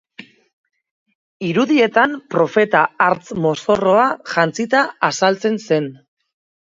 Irudietan profeta artz mozorroa jantzita azaltzen zen.